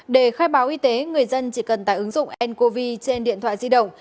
để khai báo y tế người dân chỉ cần tải ứng dụng ncov trên điện thoại di động